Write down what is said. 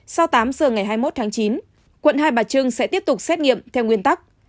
sau tám giờ ngày hai mươi một tháng chín quận hai bà trưng sẽ tiếp tục xét nghiệm theo nguyên tắc